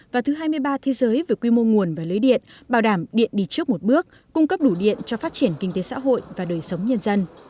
và thứ hai mươi ba thế giới về quy mô nguồn và lưới điện bảo đảm điện đi trước một bước cung cấp đủ điện cho phát triển kinh tế xã hội và đời sống nhân dân